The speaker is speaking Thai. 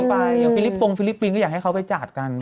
อย่างฟิลิปปงฟิลิปปินส์ก็อยากให้เขาไปจัดกัน